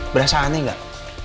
berasa aneh gak